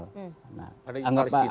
pada inggris itu